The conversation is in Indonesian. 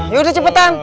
yuk deh cepetan